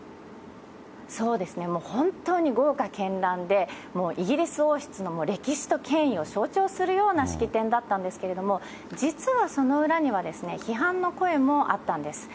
もう本当に豪華けんらんで、もうイギリス王室の歴史と権威を象徴するような式典だったんですけれども、実はその裏には、批判の声もあったんです。